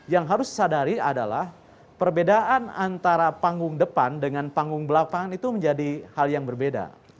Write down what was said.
yang harus disadari adalah perbedaan antara panggung depan dengan panggung belakang itu menjadi hal yang berbeda